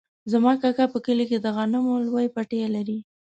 زما کاکا په کلي کې د غنمو لوی پټی لري.